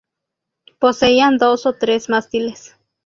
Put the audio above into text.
Poseían dos o tres mástiles.